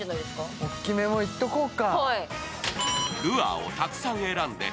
大きめもいっとこうか。